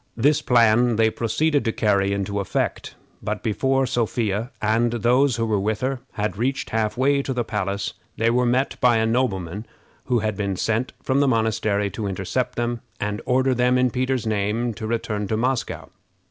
This plan they proceeded to carry into effect; but before Sophia, and those who were with her, had reached half way to the palace, they were met by a nobleman who had been sent from the monastery to intercept them, and order them, in Peter's name, to return to Moscow.